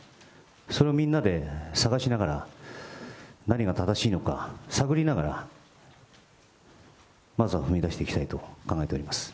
それをみんなで探しながら、何が正しいのか探りながら、まずは踏み出していきたいと考えております。